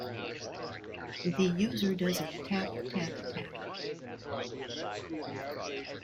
The user does a tap-tap-tap.